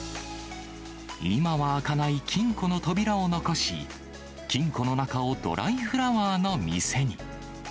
今は開かない金庫の扉を残し、金庫の中をドライフラワーの店に。